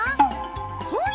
ほい！